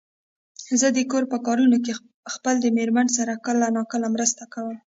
زه د کور په کارونو کې خپل د مېرمن سره کله ناکله مرسته کوم.